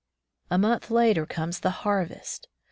A month later comes the harvest.